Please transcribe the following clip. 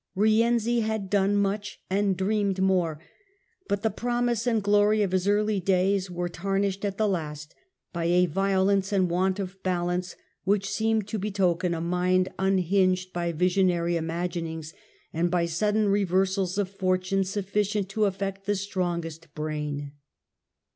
Rienzi had done much and dreamed more ; but the promise and glory of his early days were tarnished at the last by a violence and want of balance which seem to betoken a mind unhinged by visionary imaginings, and by sudden reversals of fortune sufficient to affect the strongest brain.